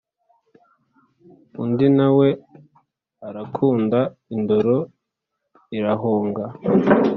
undi na we arakunda indoro irahonga